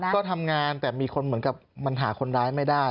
ก็ทำงานแต่มีคนเหมือนกับมันหาคนร้ายไม่ได้